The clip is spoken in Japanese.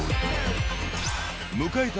迎えた